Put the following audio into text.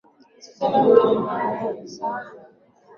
Msichana huyo ni mkakamavu sana